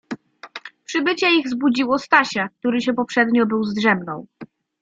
Przybycie ich zbudziło Stasia, który się poprzednio był zdrzemnął.